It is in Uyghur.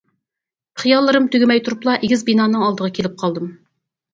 خىياللىرىم تۈگىمەي تۇرۇپلا ئېگىز بىنانىڭ ئالدىغا كېلىپ قالدىم.